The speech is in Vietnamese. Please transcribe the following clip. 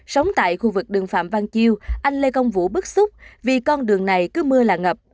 sống tại khu vực đường phạm văn chiêu anh lê công vũ bức xúc vì con đường này cứ mưa là ngập